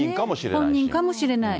本人かもしれない。